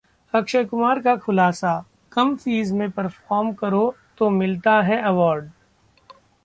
अक्षय कुमार का खुलासा- कम फीस में परफॉर्म करो तो मिलता है अवॉर्ड